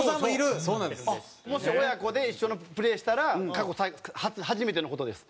もし親子で一緒のプレーしたら過去初めての事です。